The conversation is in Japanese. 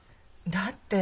だって。